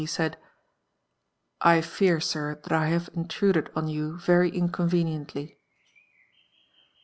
he said :1 fear, 6ir, that I have intruded on you very inconveniently."